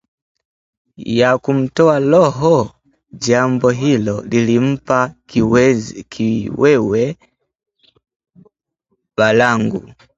ya kumtoa roho? Jambo hilo lilimpa kiwewe babangu